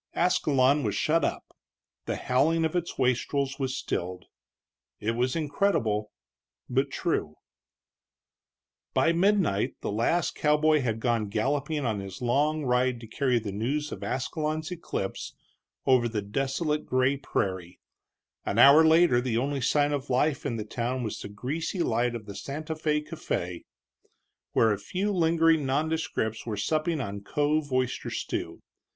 Ascalon was shut up; the howling of its wastrels was stilled. It was incredible, but true. By midnight the last cowboy had gone galloping on his long ride to carry the news of Ascalon's eclipse over the desolate gray prairie; an hour later the only sign of life in the town was the greasy light of the Santa Fé café, where a few lingering nondescripts were supping on cove oyster stew.